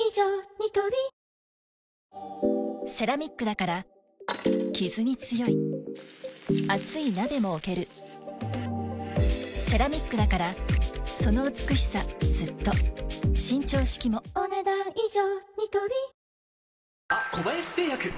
ニトリセラミックだからキズに強い熱い鍋も置けるセラミックだからその美しさずっと伸長式もお、ねだん以上。